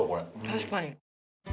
確かに。